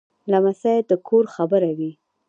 لمسی د کور خبره وي.